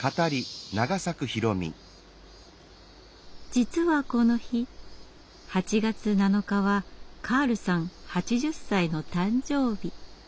実はこの日８月７日はカールさん８０歳の誕生日。